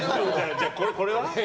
じゃあ、これは？